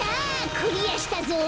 クリアしたぞ！